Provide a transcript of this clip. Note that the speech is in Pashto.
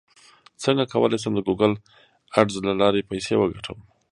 څنګه کولی شم د ګوګل اډز له لارې پیسې وګټم